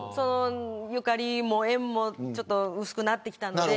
ゆかりも縁も薄くなってきたので。